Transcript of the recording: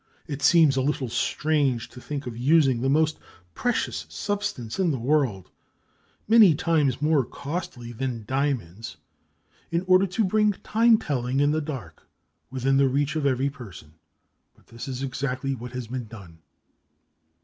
It seems a little strange to think of using the most precious substance in the world—many times more costly than diamonds—in order to bring time telling in the dark within the reach of every person, but this is exactly what has been done.